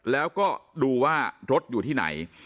แล้วก็ดูว่ารถอยู่ที่ไหน